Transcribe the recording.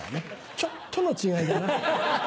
ちょっとの違いだな。